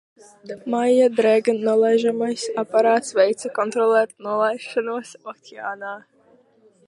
"Maijā "Dragon" nolaižamais aparāts veica kontrolētu nolaišanos okeānā."